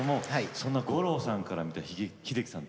そんな五郎さんから見た秀樹さん